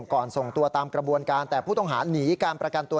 ส่งตัวตามกระบวนการแต่ผู้ต้องหาหนีการประกันตัว